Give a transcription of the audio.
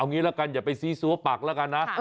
งี้ละกันอย่าไปซีซัวปักแล้วกันนะ